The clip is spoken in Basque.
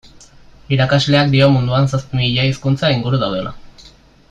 Irakasleak dio munduan zazpi mila hizkuntza inguru daudela.